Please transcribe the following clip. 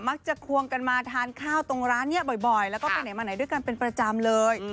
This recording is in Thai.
ควงกันมาทานข้าวตรงร้านนี้บ่อยแล้วก็ไปไหนมาไหนด้วยกันเป็นประจำเลย